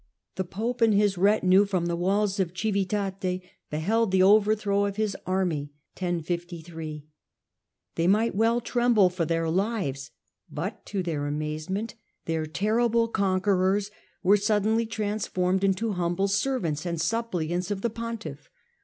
The pope and his retinue, from the walls of Civitate, beheld the overthrow of his army. They might well tremble for their lives ; but, to their amazement, their terrible conquerors were suddenly transformed into humble servants and suppliants of the pontiff.